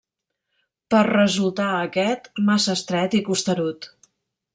Per resultar aquest massa estret i costerut.